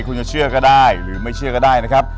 คุณจะเชื่อก็ได้หรือไม่เชื่อก็ได้นะครับ